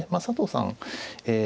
佐藤さん